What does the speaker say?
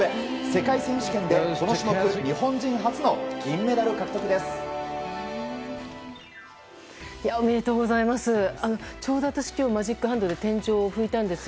世界選手権でこの種目日本人初の銀メダル獲得です。